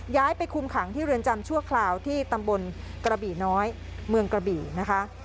ย้ายไปคุมขังที่เรือนจำชั่วคราวที่ตำบลกระบี่น้อยเมืองกระบี่นะคะ